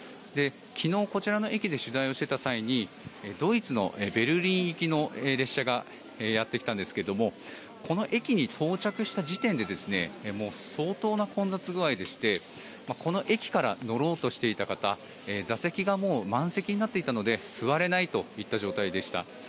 昨日、こちらの駅で取材をしていた際にドイツのベルリン行きの列車がやってきたんですがこの駅に到着した時点でもう相当な混雑具合でしてこの駅から乗ろうとしていた方座席がもう満席になっていたので座れないといった状態でした。